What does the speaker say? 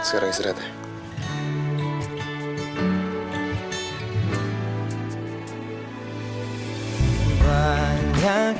sekarang istirahat ya